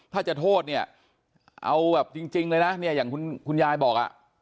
ถ้าจะโทษเนี่ยเอาแบบจริงเลยนะเนี่ยอย่างคุณยายบอกอ่ะ